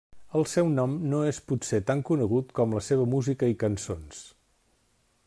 El seu nom no és potser tan conegut com la seva música i cançons.